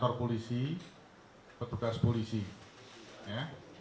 pak pak mohon dijawab saja